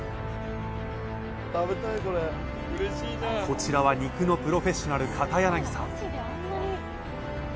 こちらは肉のプロフェッショナル片柳さん